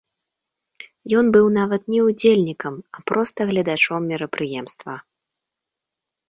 Ён быў нават не удзельнікам, а проста гледачом мерапрыемства.